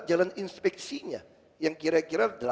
jalan inspeksinya yang kira kira